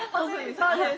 そうです。